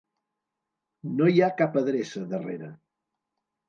No hi ha cap adreça, darrere.